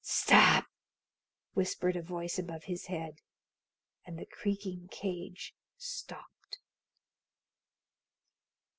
"Stop!" whispered a voice above his head, and the creaking cage stopped.